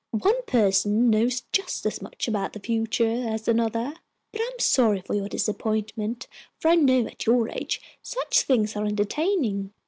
One person knows just as much about the future as another. But I am sorry for your disappointment, for I know at your age such things are entertaining.